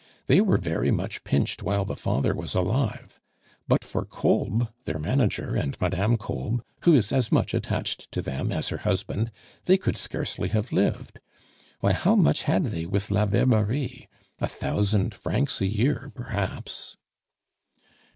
They were very much pinched while the father was alive. But for Kolb, their manager, and Madame Kolb, who is as much attached to them as her husband, they could scarcely have lived. Why, how much had they with La Verberie! A thousand francs a year perhaps."